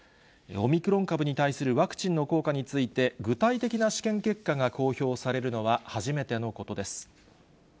オミクロン株に対するワクチンの効果について、具体的な試験結果が公表されるのは初めてのことです。